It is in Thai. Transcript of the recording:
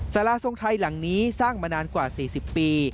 สาราทรงไทยหลังนี้สร้างมานานกว่า๔๐ปี